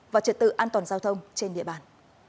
và trật tự an toàn giao thông trên địa bàn